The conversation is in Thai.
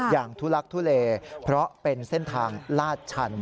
อย่างทุลักษณ์ทุเลเพราะเป็นเส้นทางลาดชัน